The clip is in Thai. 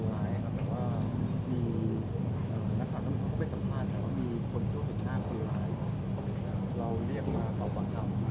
หมอบรรยาหมอบรรยา